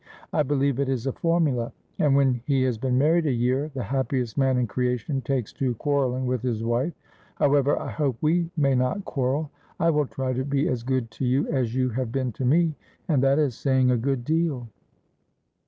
' I believe it is a formula. And when he has been married a year the happiest man in creation takes to quarrelling with his wife. However, I hope we may not quarrel. I will try to be as good to you as you have been to me ; and that is saying a good deal.'